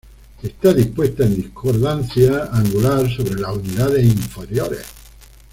Está dispuesta en discordancia angular sobre las unidades inferiores.